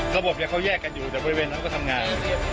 ระบบเขาแยกกันอยู่แต่บริเวณนั้นก็ทำงาน